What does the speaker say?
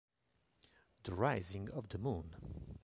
The Rising of the Moon